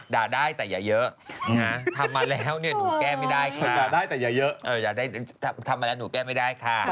ถ้าทำมาแล้วหนูแก้ไม่ได้ค่ะ